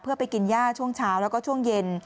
เพื่อไปกินย่าช่วงเช้าแล้วก็ช่วงเย็น